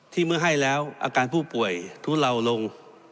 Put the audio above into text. เมื่อให้แล้วอาการผู้ป่วยทุเลาลง